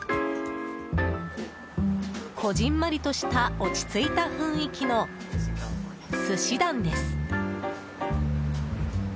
小ぢんまりとした落ち着いた雰囲気の寿志團です。